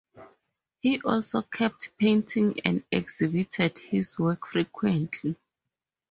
He also kept painting and exhibited his work frequently.